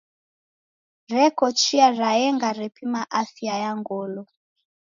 Reko chia raenga repima afya ya ngolo.